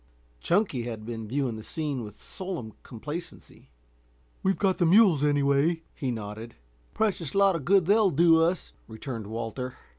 Chunky had been viewing the scene with solemn complacency. "We've got the mules, anyway," he nodded. "Precious lot of good they'll do us," returned Walter.